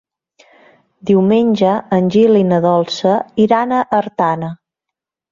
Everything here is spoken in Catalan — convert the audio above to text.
Diumenge en Gil i na Dolça iran a Artana.